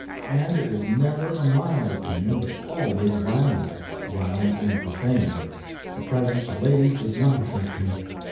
And it is never a mild opinion, but always violent violent and profane the presence of ladies does not affect him.